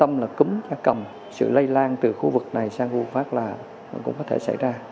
chúng ta quan tâm là cúm da cầm sự lây lan từ khu vực này sang vùng phát là cũng có thể xảy ra